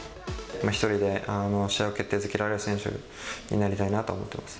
１人で試合を決定づけられる選手になりたいなと思ってます。